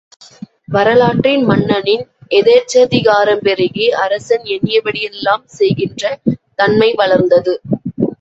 வரலாற்றில் மன்னனின் எதேச்சாதிகாரம் பெருகி, அரசன் எண்ணியபடியெல்லாம் செய்கின்ற தன்மை வளர்ந்தது.